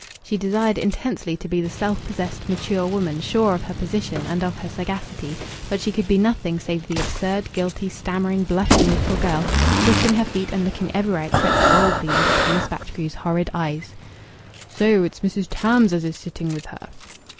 She desired intensely to be the self possessed, mature woman, sure of her position and of her sagacity; but she could be nothing save the absurd, guilty, stammering, blushing little girl, shifting her feet and looking everywhere except boldly into Thomas Batchgrew's horrid eyes. "So it's Mrs. Tams as is sitting with her!"